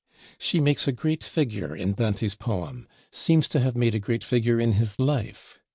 She makes a great figure in Dante's Poem; seems to have made a great figure in his life.